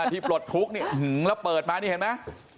ที่ปลดทุกข์เนี่ยแล้วเปิดมาเนี่ยเห็นมั้ย